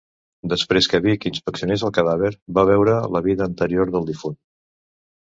Després que Big inspeccionés el cadàver, va veure la vida anterior del difunt.